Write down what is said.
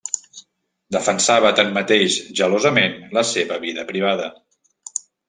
Defensava, tanmateix, gelosament la seva vida privada.